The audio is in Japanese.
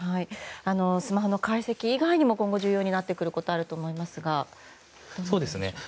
スマホの解析以外にも今後重要になってくることがあると思いますがどうでしょう。